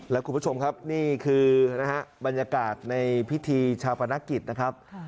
แล้วคุณผู้ชมครับนี่คือนะฮะบรรยากาศในพิธีชาปนกิจนะครับ